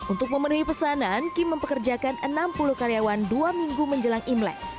untuk memenuhi pesanan kim mempekerjakan enam puluh karyawan dua minggu menjelang imlek